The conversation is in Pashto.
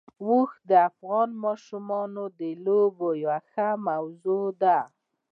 اوښ د افغان ماشومانو د لوبو یوه موضوع ده.